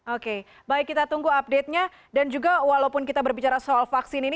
oke baik kita tunggu update nya dan juga walaupun kita berbicara soal vaksin ini